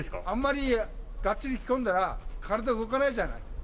あんまりがっちり着込んだら、体動かないじゃない。